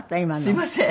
すみません。